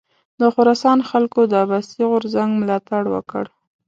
د خراسان خلکو د عباسي غورځنګ ملاتړ وکړ.